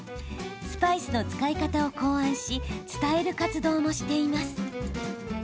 スパイスの使い方を考案し伝える活動もしています。